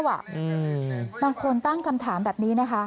บางคนตั้งคำถามแบบนี้นะคะ